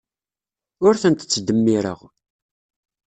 Ur tent-ttdemmireɣ.